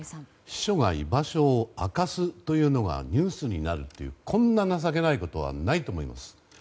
秘書が居場所を明かすというのがニュースになるというこんな情けないことはないと思います。